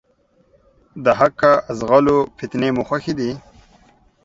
د حقه ځغلو ، فتنې مو خوښي دي.